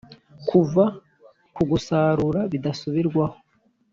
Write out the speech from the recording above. kuva ku gusarura bidasubirwaho